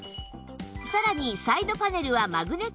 さらにサイドパネルはマグネット式